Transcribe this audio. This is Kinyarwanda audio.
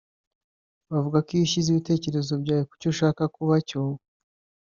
bavuga ko iyo shyize ibitekerezo byawe ku cyo ushaka kuba cyo